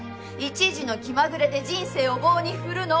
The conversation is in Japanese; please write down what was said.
一時の気まぐれで人生を棒に振るの？